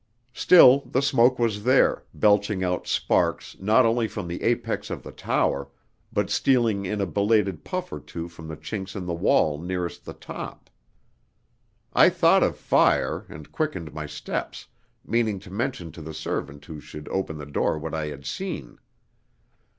Still, the smoke was there, belching out sparks not only from the apex of the tower, but stealing in a belated puff or two from the chinks in the wall nearest the top. I thought of fire, and quickened my steps, meaning to mention to the servant who should open the door what I had seen.